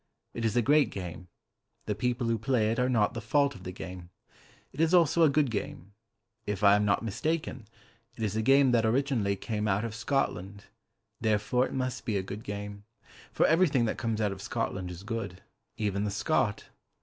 It is a great game: The people who play it are not the fault of the game. It is also a good game. If I am not mistaken, It is a game that originally came out of Scotland; Therefore it must be a good game. For everything that comes out of Scotland is good, Even the Scot.